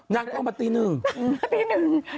นั่งกล้องมาตีหนึ่งครับ